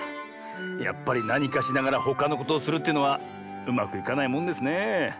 やっぱりなにかしながらほかのことをするというのはうまくいかないもんですねえ。